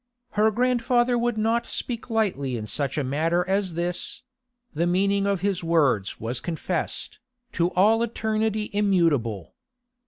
Her grandfather would not speak lightly in such a matter as this; the meaning of his words was confessed, to all eternity immutable.